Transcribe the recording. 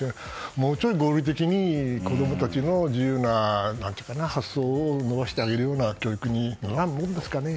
もうちょい合理的に子供たちの自由な発想を伸ばしてあげるような教育は無理なんですかね。